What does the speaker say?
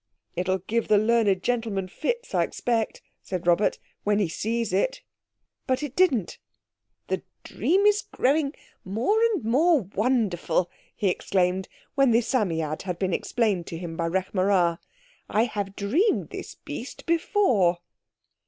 "It'll give the learned gentleman fits, I expect," said Robert, "when he sees it." But it didn't. "The dream is growing more and more wonderful," he exclaimed, when the Psammead had been explained to him by Rekh marā. "I have dreamed this beast before."